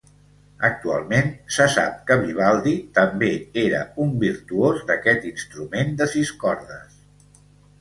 Actualment se sap que Vivaldi també era un virtuós d'aquest instrument de sis cordes.